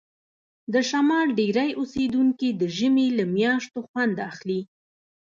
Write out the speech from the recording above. د شمال ډیری اوسیدونکي د ژمي له میاشتو خوند اخلي